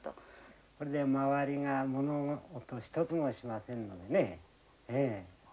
これで周りが物音一つもしませんのでねええ。